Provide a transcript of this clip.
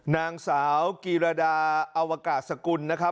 นางสาวกีรดาอวกาศสกุลนะครับ